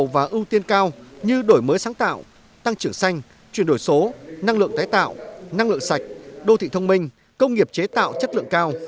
và ưu tiên cao như đổi mới sáng tạo tăng trưởng xanh chuyển đổi số năng lượng tái tạo năng lượng sạch đô thị thông minh công nghiệp chế tạo chất lượng cao